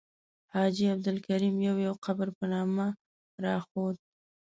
حاجي عبدالرحیم یو یو قبر په نامه راښود.